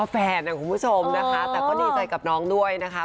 แฟนนะคุณผู้ชมนะคะแต่ก็ดีใจกับน้องด้วยนะคะ